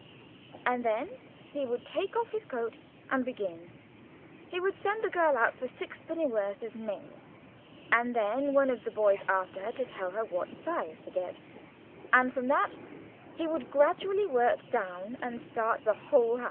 And then he would take off his coat, and begin. He would send the girl out for sixpen'orth of nails, and then one of the boys after her to tell her what size to get; and, from that, he would gradually work down, and start the whole house.